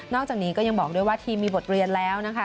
จากนี้ก็ยังบอกด้วยว่าทีมมีบทเรียนแล้วนะคะ